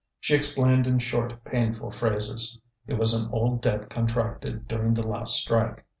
She explained in short, painful phrases. It was an old debt contracted during the last strike.